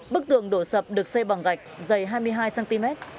bức tường đổ sập được xây bằng gạch dày hai mươi hai cm